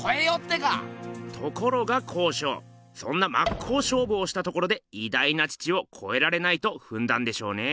ところが康勝そんなまっこうしょうぶをしたところでいだいな父をこえられないとふんだんでしょうね。